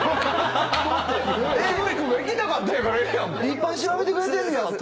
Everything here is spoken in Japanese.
いっぱい調べてくれてんねやって。